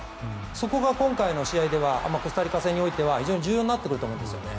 そこが今回の試合ではコスタリカ戦においては重要になってくると思うんですよね。